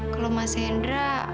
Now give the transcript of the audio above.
kalau mas hendra